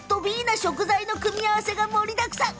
な食材の組み合わせが盛りだくさん。